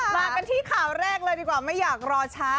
มากันที่ข่าวแรกเลยดีกว่าไม่อยากรอช้า